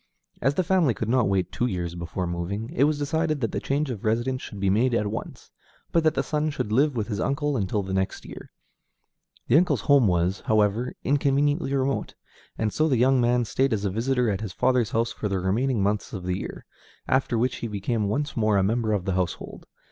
As the family could not wait two years before moving, it was decided that the change of residence should be made at once, but that the son should live with his uncle until the next year. The uncle's home was, however, inconveniently remote, and so the young man stayed as a visitor at his father's house for the remaining months of the year, after which he became once more a member of the household.